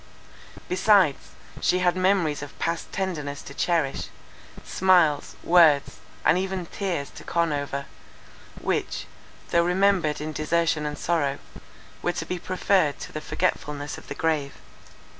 Besides, she had memories of past tenderness to cherish, smiles, words, and even tears, to con over, which, though remembered in desertion and sorrow, were to be preferred to the forgetfulness of the grave.